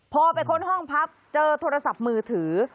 พอไปค้นห้องพักเจอโทรศัพท์มือถือ